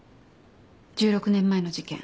１６年前の事件